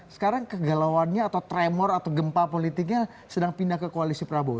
sekarang kegalauannya atau tremor atau gempa politiknya sedang pindah ke koalisi prabowo